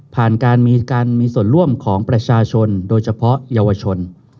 ผ่านการมีการมีส่วนร่วมของประชาชนโดยเฉพาะเยาวชน